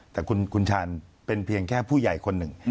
แต่คุณชาญเป็นเพียงแค่ผู้ใหญ่คนหนึ่ง